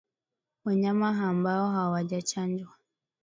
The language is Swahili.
Wanyama ambao hawajachanjwa